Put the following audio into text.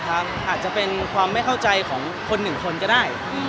อาจจะเป็นความไม่เข้าใจของคนหนึ่งคนก็ได้